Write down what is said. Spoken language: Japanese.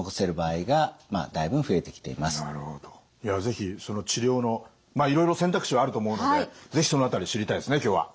是非その治療のいろいろ選択肢はあると思うので是非その辺り知りたいですね今日は。